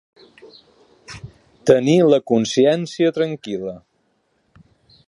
Tenir la consciència tranquil·la.